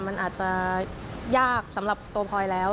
มันอาจจะยากสำหรับตัวพลอยแล้ว